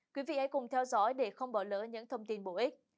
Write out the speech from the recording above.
quý vị hãy cùng theo dõi để không bỏ lỡ những thông tin bổ ích